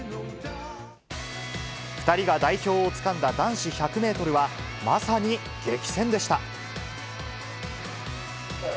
２人が代表をつかんだ男子１００メートルは、まさに激戦でした。